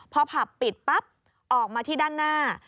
พอผับปิดปั๊บออกมาที่ด้านหน้า